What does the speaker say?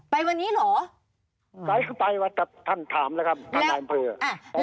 ไปวันนี้เหรอไปคือไปวัดแต่ท่านถามแล้วครับท่านนายอำเภออ่า